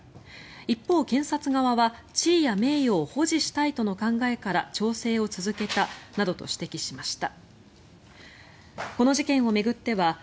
一方、検察側は地位や名誉を保持したいとの考えから調整を続けたなどと指摘しました。